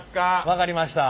分かりました。